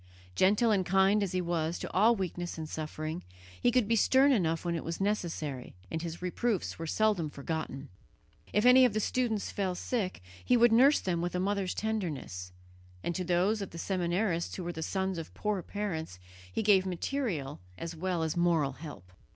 Gentle and kind as he was to all weakness and suffering, he could be stern enough when it was necessary, and his reproofs were seldom forgotten. If any of the students fell sick, he would nurse them with a mother's tenderness; and to those of the seminarists who were the sons of poor parents he gave material as well as moral help.